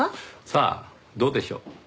さあどうでしょう？